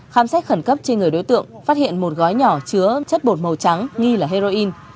khám xét khẩn cấp trên người đối tượng phát hiện một gói nhỏ chứa chất bột màu trắng nghi là heroin